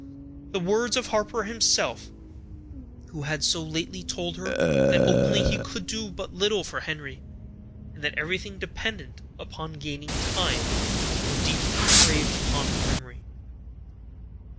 The words of Harper himself, who had so lately told her that openly he could do but little for Henry, and that everything depended upon gaining time, were deeply engraved upon her memory.